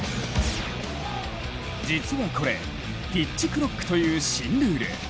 実はこれ、ピッチクロックという新ルール。